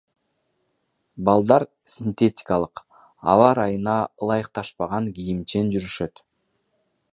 Балдар синтетикалык, аба ырайына ылайыкташпаган кийимчен жүрүшөт.